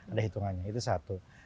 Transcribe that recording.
ada hitungannya itu satu